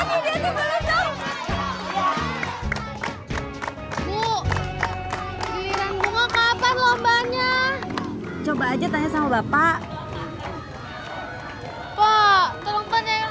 hai bu giliran bunga kapan lombanya coba aja tanya sama bapak pak terhubungnya yang